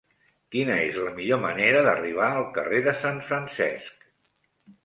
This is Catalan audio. Quina és la millor manera d'arribar al carrer de Sant Francesc?